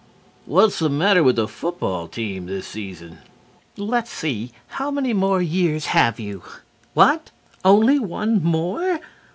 "What was the matter with the football team this season?" "Let's see, how many more years have you? What, only one more!